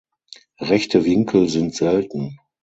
Rechte Winkel sind selten.